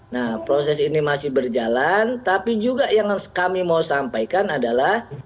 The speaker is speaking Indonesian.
nah proses ini masih berjalan tapi juga yang kami mau sampaikan adalah